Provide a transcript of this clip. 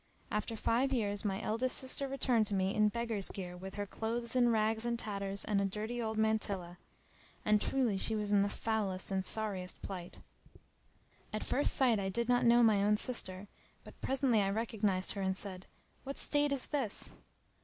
After five years my eldest sister returned to me in beggar's gear with her clothes in rags and tatters[FN#302] and a dirty old mantilla;[FN#303] and truly she was in the foulest and sorriest plight. At first sight I did not know my own sister; but presently I recognised her and said "What state is this?"